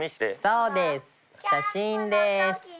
そうです写真です。